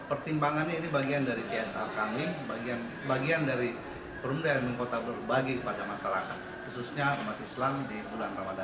pertimbangannya ini bagian dari csr kami bagian dari perumda dan kota berbagi kepada masyarakat khususnya umat islam di bulan ramadan